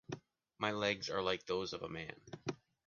My legs are like those of a man.